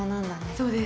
そうです。